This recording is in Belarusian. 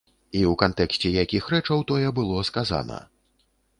І ў кантэксце якіх рэчаў тое было сказана.